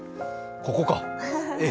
ここか。